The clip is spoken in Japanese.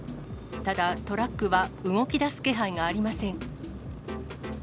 ただ、トラックは動きだす気配がありません。